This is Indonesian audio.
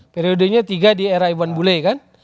periodenya tiga di era iwan bule kan